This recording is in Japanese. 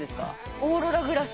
オーロラグラス。